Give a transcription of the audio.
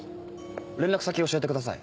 連絡先教えてください。